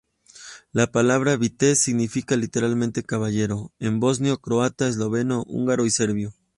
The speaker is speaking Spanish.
La palabra "Vitez" significa literalmente "caballero" en bosnio, croata, esloveno, húngaro y serbio.